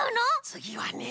つぎはね。